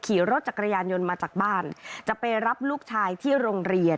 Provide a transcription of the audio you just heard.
ขี่รถจักรยานยนต์มาจากบ้านจะไปรับลูกชายที่โรงเรียน